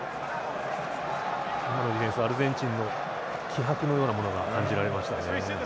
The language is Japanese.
今のディフェンスはアルゼンチンの気迫のようなものが感じられましたね。